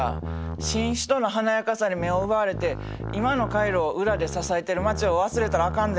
新首都の華やかさに目を奪われて今のカイロを裏で支えてる町を忘れたらあかんで！